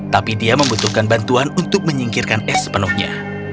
tapi dia membutuhkan bantuan untuk menyingkirkan es sepenuhnya